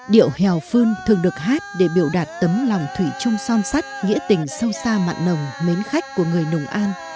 điệu hèo phương thường được hát để biểu đạt tấm lòng thủy chung son sắt nghĩa tình sâu xa mặn nồng mến khách của người nùng an